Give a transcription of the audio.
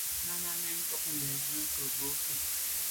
Náná cɛ̌d nɛ̂n ntɔ́nə́ nə̀ jún á kə̂ bû kə̂.